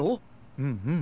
うんうん。